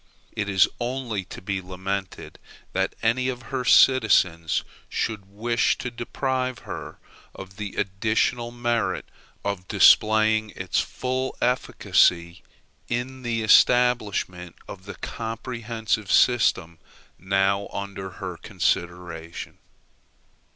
It is only to be lamented that any of her citizens should wish to deprive her of the additional merit of displaying its full efficacy in the establishment of the comprehensive system now under her consideration.